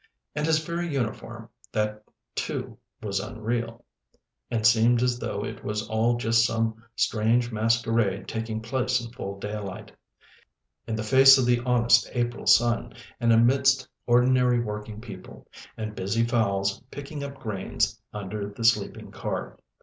And his very uniform, that too was unreal, and seemed as though it was all just some strange masquerade taking place in full daylight, in the face of the honest April sun, and amidst ordinary working people, and busy fowls picking up grains under the sleeping car.